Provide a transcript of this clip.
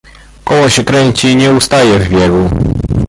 "Koło się kręci i nie ustaje w biegu!..."